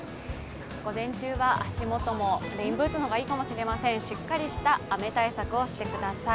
午前中は足元もレインブーツの方がいいかもしれません、しっかりとした雨対策をしてください。